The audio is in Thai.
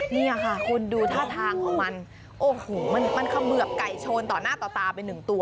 นี่อย่างค่ะคุณดูท่าทางของมันโอ้ฮูมันคำือบไก่ชนต่อหน้าต่อตาไป๑ตัว